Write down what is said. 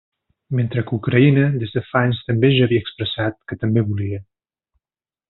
Mentre que Ucraïna des de fa anys també ja havia expressat que també volia.